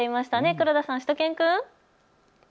黒田さん、しゅと犬くん。